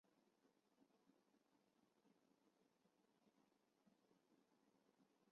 号玉溪。